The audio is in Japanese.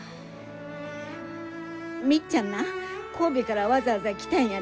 みっちゃんな神戸からわざわざ来たんやで？